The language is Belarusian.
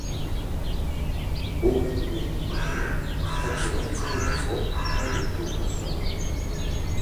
У гэтым рэгіёне адчуваецца недахоп прадуктаў харчавання.